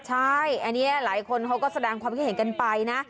ใช่อันนี้หลายคนเขาก็แสดงความคิดเห็นกันไปนะ